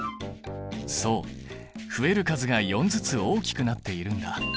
そう増える数が４ずつ大きくなっているんだ。